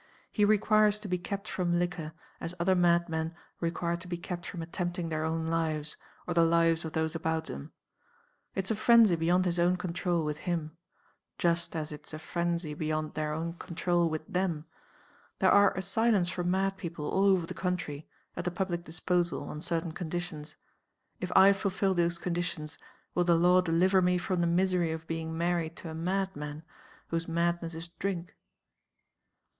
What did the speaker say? He requires to be kept from liquor, as other madmen require to be kept from attempting their own lives, or the lives of those about them. It's a frenzy beyond his own control, with him just as it's a frenzy beyond their own control, with them. There are Asylums for mad people, all over the country, at the public disposal, on certain conditions. If I fulfill those conditions, will the law deliver me from the misery of being married to a madman, whose madness is drink?